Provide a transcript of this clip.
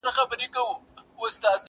کومول زړه نا زړه سو تېر له سر او تنه!!